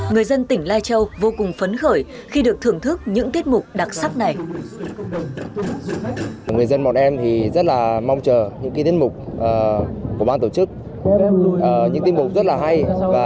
người dân tỉnh lai châu vô cùng phấn khởi khi được thưởng thức những tiết mục đặc sắc này